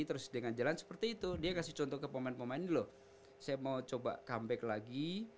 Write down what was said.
terus dengan jalan seperti itu dia kasih contoh ke pemain pemain dulu saya mau coba comeback lagi